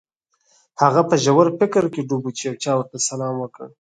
هغه په ژور فکر کې ډوب و چې یو چا ورته سلام وکړ